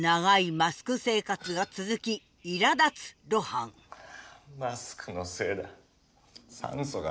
マスクのせいだッ！